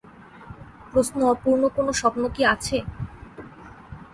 প্রশ্ন অপূর্ণ কোনো স্বপ্ন কি আছে?